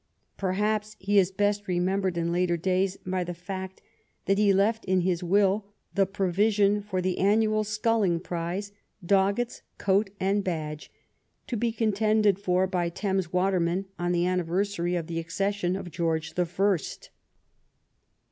Perhaps he is best remembered in later times by the fact that he left in his will the provision for the an nual sculling prize, " Doggett's Coat and Badge," to be contended for by Thames watermen on the anni versary of the accession of George the First.